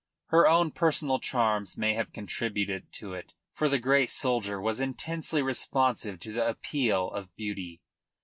Her own personal charms may have contributed to it, for the great soldier was intensely responsive to the appeal of beauty.